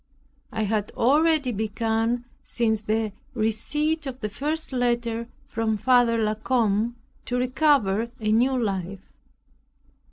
It had already begun since the receipt of the first letter from Father La Combe, to recover a new life.